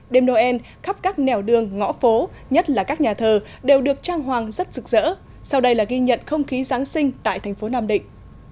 đêm noel khắp các nẻo đường ngõ phố nhất là các nhà thờ đều được trang hoàng rất rực rỡ sau đây là ghi nhận không khí giáng sinh tại thành phố nam định